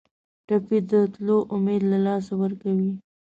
ټپي د تلو امید له لاسه ورکوي.